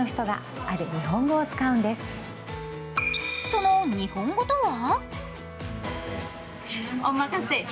その日本語とは？